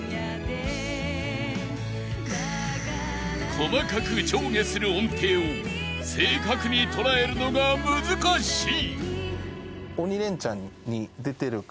［細かく上下する音程を正確に捉えるのが難しい］